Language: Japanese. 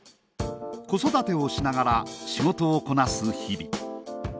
子育てをしながら仕事をこなす日々。